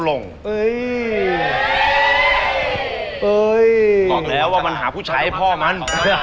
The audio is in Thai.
บอกแล้วว่ามันหาผู้ชายให้พ่อมัน